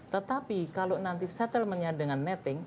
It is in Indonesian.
tetapi kalau nanti settlementnya dengan netting